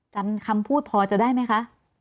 จำคำพูดพอจะได้ไหมคะ